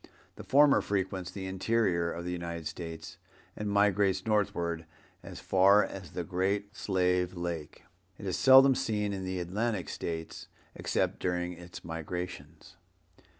The former frequents the interior of the United States and migrates northward as far as the Great Slave Lake. It is seldom seen in the Atlantic States except during its migrations.